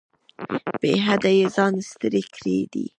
بې حده یې ځان ستړی کړی دی.